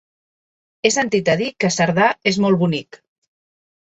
He sentit a dir que Cerdà és molt bonic.